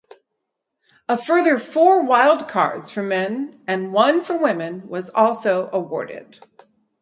A further four wildcards for men and one for women was also awarded.